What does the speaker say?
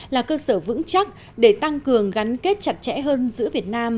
là cơ sở vững chắc để tăng cường gắn kết chặt chẽ hơn giữa việt nam